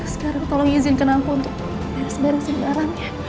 sekarang tolong izinkan aku untuk beres beresin barangnya